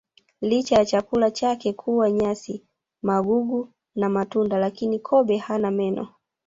Licha ya chakula chake kuwa nyasi magugu na matunda lakini kobe hana meno